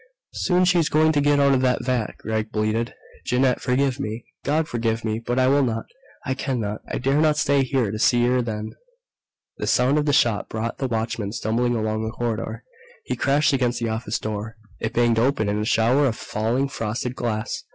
"Soon she's going to get out of that vat!" Gregg bleated. "Jeannette, forgive me God, forgive me but I will not I cannot I dare not stay here to see her then!" The sound of the shot brought the watchman stumbling along the corridor. He crashed against the office door. It banged open in a shower of falling frosted glass.